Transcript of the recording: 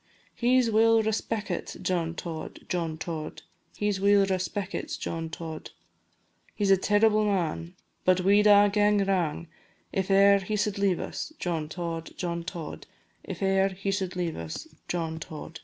He 's weel respeckit, John Tod, John Tod, He 's weel respeckit, John Tod; He 's a terrible man, But we 'd a' gae wrang If e'er he sud leave us, John Tod, John Tod, If e'er he sud leave us, John Tod.